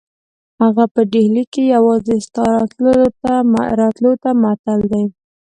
هغه په ډهلي کې یوازې ستا راتلو ته معطل دی.